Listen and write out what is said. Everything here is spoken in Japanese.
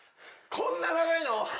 こんな長いの？